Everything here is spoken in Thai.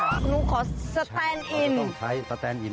หนูขอสแตนอินต้องใช้สแตนอิน